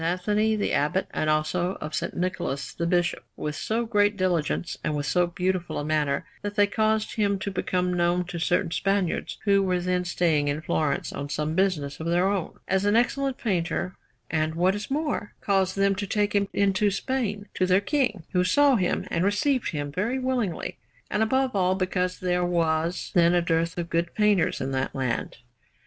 Anthony the Abbot, and also some of S. Nicholas the Bishop, with so great diligence and with so beautiful a manner that they caused him to become known to certain Spaniards, who were then staying in Florence on some business of their own, as an excellent painter, and what is more, caused them to take him into Spain to their King, who saw him and received him very willingly, and above all because there was then a dearth of good painters in that land.